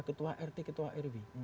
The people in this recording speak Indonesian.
ketua rt ketua rw